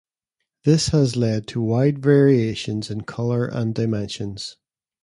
This has led to wide variations in color and dimensions.